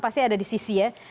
pasti ada di sisi ya